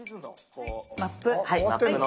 「マップ」。